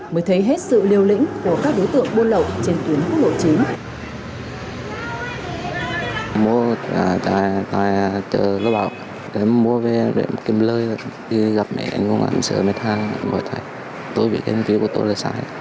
mới thấy hết sự liều lĩnh của các đối tượng buôn lậu trên tuyến quốc lộ chín